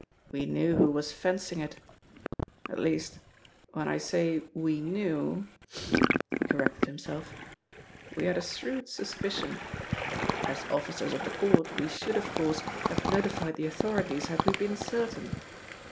We knew who was fencing it. At least, when I say we knew," he corrected himself, "we had a shrewd suspicion. As officers of the court, we should, of course, have notified the authorities had we been certain.